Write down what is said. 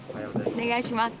お願いします。